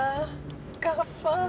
jangan lupain undurula